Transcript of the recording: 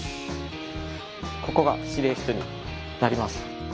ここが指令室になります。